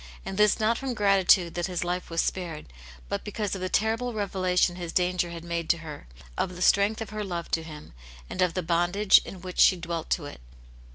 And this not from gratitude that his life was spared, but because of the terrible revelation his danger had made to her, of the strength of her love to him, and of the bondage in which she dwelt to it.